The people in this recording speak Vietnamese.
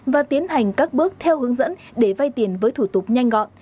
và tiến hành các bước theo hướng dẫn để vay tiền với thủ tục nhanh gọn